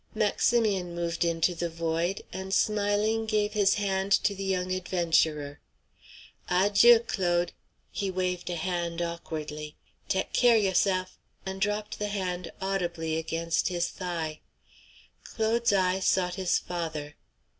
Maximian moved into the void, and smiling gave his hand to the young adventurer. "Adjieu, Claude." He waved a hand awkwardly. "Teck care you'seff," and dropped the hand audibly against his thigh. Claude's eye sought his father.